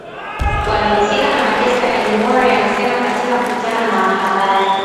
wamehusika na mateso Gilmore alisema katika mkutano na wanahabari